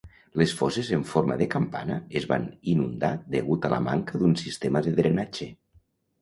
Les fosses en forma de campana es van inundar degut a la manca d'un sistema de drenatge.